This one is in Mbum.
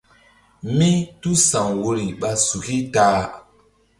Mítúsa̧w woyri ɓa suki ta-a.